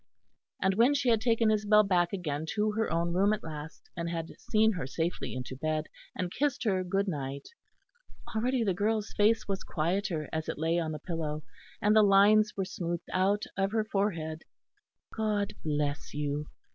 And when she had taken Isabel back again to her own room at last, and had seen her safely into bed, and kissed her good night, already the girl's face was quieter as it lay on the pillow, and the lines were smoothed out of her forehead. "God bless you!"